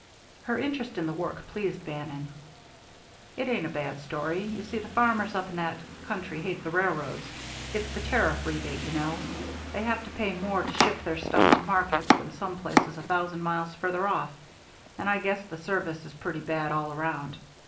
Her interest in the work pleased Bannon. "It ain't a bad story. You see the farmers up in that country hate the railroads. It's the tariff rebate, you know. They have to pay more to ship their stuff to market than some places a thousand miles farther off. And I guess the service is pretty bad all around.